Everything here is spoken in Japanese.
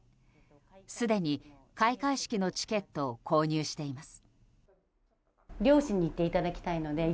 すでに開会式のチケットを購入しています。